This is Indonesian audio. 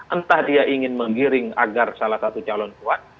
entah dia ingin menggiring agar salah satu calon kuat